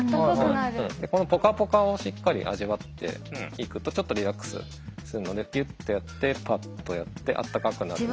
このポカポカをしっかり味わっていくとちょっとリラックスするのでギュッてやってパッとやってあったかくなる。